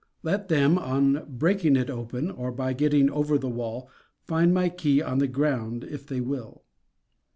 Let them, on breaking it open, or by getting over the wall, find my key on the ground, if they will.